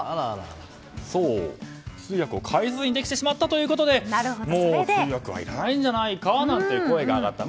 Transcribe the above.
そう、通訳を介さずにできてしまったということでもう通訳はいらないんじゃないか？という声が上がった。